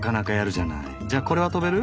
じゃこれは跳べる？